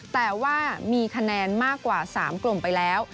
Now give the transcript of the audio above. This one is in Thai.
แต่ว่ามีคะแนนมากกว่า๓กลุ่มไปแล้ว